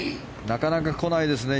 なかなか来ないですね。